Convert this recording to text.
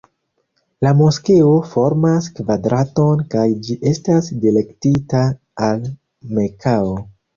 La moskeo formas kvadraton kaj ĝi estas direktita al Mekao.